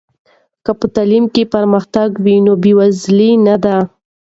که په تعلیم کې پرمختګ وي، نو بې وزلي نه ده.